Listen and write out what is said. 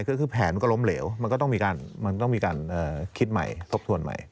คือแผนมันก็ล้มเหลวมันก็ต้องมีการคิดใหม่ทบทวนใหม่